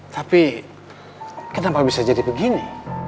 tapi kenapa bisa jadi begini